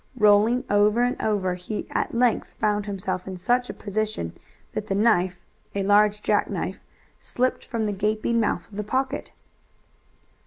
Rolling over and over, he at length found himself in such a position that the knife a large jackknife slipped from the gaping mouth of the pocket.